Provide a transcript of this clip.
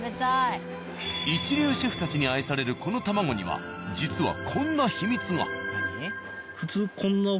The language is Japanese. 一流シェフたちに愛されるこの卵には実はこんな秘密が。